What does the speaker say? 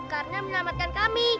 karena menyelamatkan kami